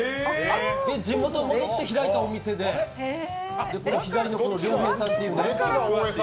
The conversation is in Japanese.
地元戻って開いたお店で、左の量平さん。